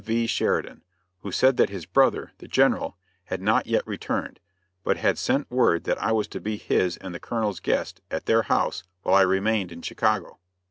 V. Sheridan, who said that his brother, the General, had not yet returned, but had sent word that I was to be his and the Colonel's guest, at their house, while I remained in Chicago.